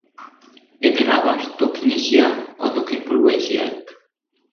এদের আবাস দক্ষিণ এশিয়া ও দক্ষিণ-পূর্ব এশিয়ায়।